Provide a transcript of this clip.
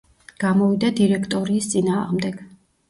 გამოვიდა დირექტორიის წინააღმდეგ.